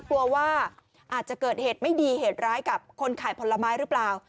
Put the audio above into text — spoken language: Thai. กลัวว่าอาจจะเกิดเหตุไม่ดีเหตุร้ายกับคนขายผลไม้หรือเปล่า